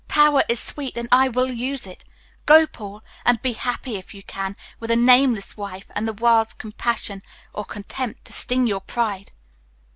Power is sweet, and I will use it. Go, Paul, and be happy if you can, with a nameless wife, and the world's compassion or contempt to sting your pride."